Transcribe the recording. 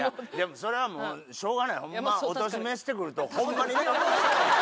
それはもうしょうがないお年召してくるとホンマにね。